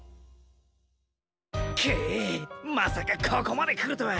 くっまさかここまでくるとは。